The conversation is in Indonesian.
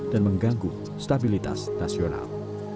dan mengganggu stabilitas nasional